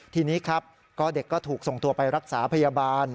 ทีนี้ครับก็เด็กก็ถูกส่งตัวไปรักษาพยาบาล